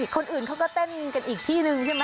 คนอื่นเขาก็เต้นกันอีกที่นึงใช่ไหม